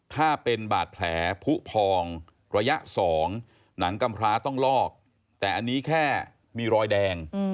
ถ้าเป็นบาดแผลผู้พองระยะ๒หนังกำพร้าต้องลอกแต่อันนี้แค่มีรอยแดง